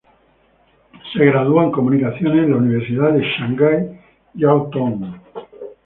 Se graduó en comunicaciones en la Universidad de Shanghái Jiao Tong.